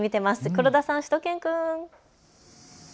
黒田さん、しゅと犬くん。